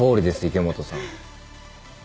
池本さん。